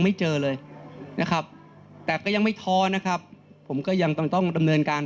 ไม่เจอเลยนะครับแต่ก็ยังไม่ท้อนะครับผมก็ยังต้องต้องดำเนินการ